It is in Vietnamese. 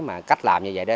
mà cách làm như vậy đó